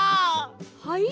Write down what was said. はい？